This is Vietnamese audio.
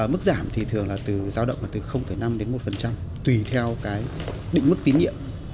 mức giảm thì thường là từ năm đến một tùy theo định mức tín nhiệm